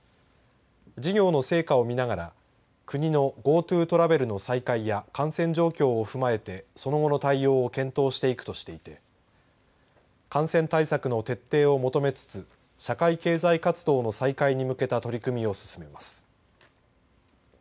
事業の成果を見ながら国のＧｏＴｏトラベルの再開や感染状況を踏まえてその後の対応を検討していくとしていて感染対策の徹底を求めつつ社会活動の再開に向けた取り組みを進めます。